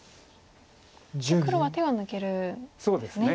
もう黒は手が抜けるんですね。